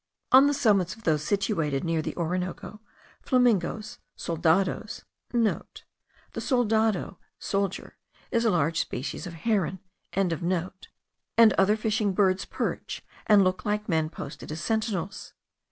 On the summits of those situated near the Orinoco, flamingos, soldados,* (* The soldado (soldier) is a large species of heron.) and other fishing birds perch, and look like men posted as sentinels.